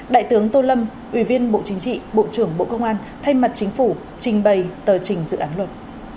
đại tướng tô lâm ủy viên bộ chính trị bộ trưởng bộ công an thay mặt chính phủ trình bày tờ trình dự án luật